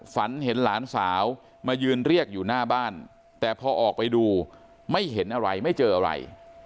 ฝันเห็นหลานสาวมายืนเรียกอยู่หน้าบ้านแต่พอออกไปดูไม่เห็นอะไรไม่เจออะไร